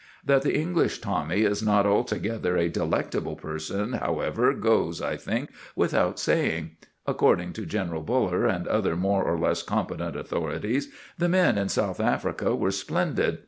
That the English Tommy is not altogether a delectable person, however, goes, I think, without saying. According to General Buller and other more or less competent authorities, the men in South Africa were splendid.